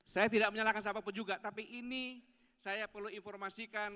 saya tidak menyalahkan siapapun juga tapi ini saya perlu informasikan